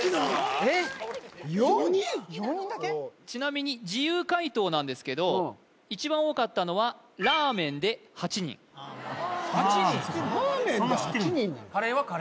ちなみに自由回答なんですけど一番多かったのはカレーは？